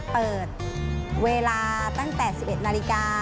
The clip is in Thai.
เปิดเวลาตั้งแต่๑๑นาฬิกา